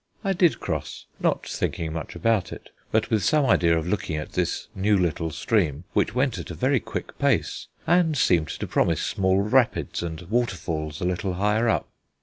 I did cross, not thinking much about it, but with some idea of looking at this new little stream, which went at a very quick pace and seemed to promise small rapids and waterfalls a little higher up.